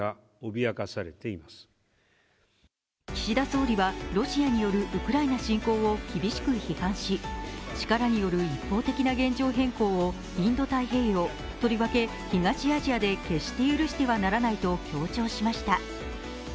岸田総理はロシアによるウクライナ侵攻を厳しく批判し、力による一方的な現状変更をインド太平洋、とりわけ東アジアで決して許してはならないと強調しました。